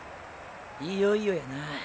いよいよやな。